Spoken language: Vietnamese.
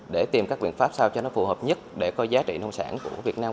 để tìm các biện pháp sao cho nó phù hợp nhất để có giá trị nông sản của việt nam